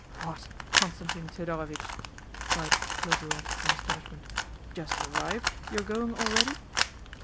"What, Constantine Thedorovitch?" cried Khlobuev in astonishment. "Just arrived, you are going already?"